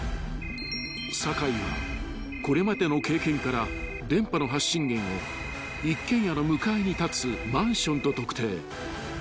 ［酒井はこれまでの経験から電波の発信源を一軒家の向かいに立つマンションと特定］